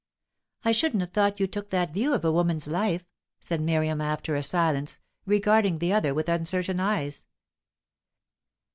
"I shouldn't have thought you took that view of a woman's life," said Miriam, after a silence, regarding the other with uncertain eyes.